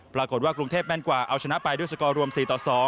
ปรากฏว่ากรุงเทพแม่นกว่าเอาชนะไปด้วยสกอร์รวม๔ต่อ๒